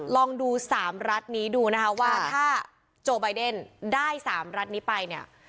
ลองดู๓รัฐนี้ดูนะคะว่าถ้าโจไบเดนได้๓รัฐนี้ไปเนี่ย